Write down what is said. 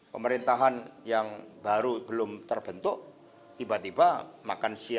pemerintahan yang baru belum terbentuk tiba tiba makan siang